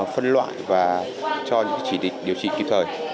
phân loại và cho những chỉ định điều trị kịp thời